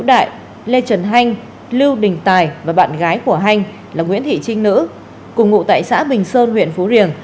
lê trần hanh lưu đình tài và bạn gái của hanh là nguyễn thị trinh nữ cùng ngụ tại xã bình sơn huyện phú riềng